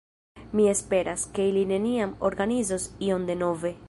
Mi esperas, ke ili neniam organizos ion denove.